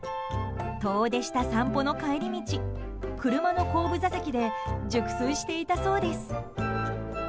遠出した散歩の帰り道車の後部座席で熟睡していたそうです。